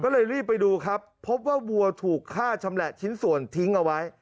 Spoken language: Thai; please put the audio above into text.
ก็เลยรีบไปดูครับพบว่าวัวถูกฆ่าชำแหละชิ้นส่วนทิ้งเอาไว้